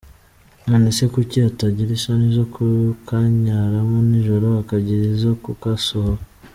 None se kuki atagira isoni zo kukanyaramo nijoro akagira izo kugasohora?”.